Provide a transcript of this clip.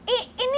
ini apaan sih